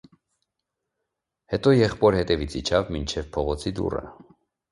Հետո եղբոր հետևից իջավ մինչև փողոցի դուռը: